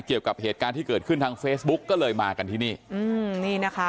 เกี่ยวกับเหตุการณ์ที่เกิดขึ้นทางเฟซบุ๊กก็เลยมากันที่นี่อืมนี่นะคะ